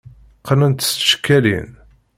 Qqnen-t s tcekkalin.